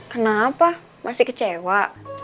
kenapa masih kecewa